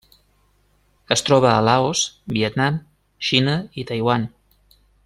Es troba a Laos, Vietnam, Xina i Taiwan.